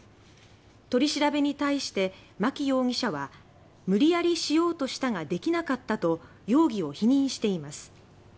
取り調べに対して牧容疑者は「無理矢理しようとしたができなかった」と容疑を否認しています。